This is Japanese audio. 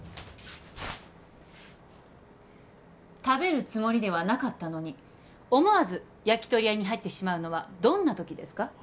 食べるつもりではなかったのに思わずやきとり屋に入ってしまうのはどんなときですか？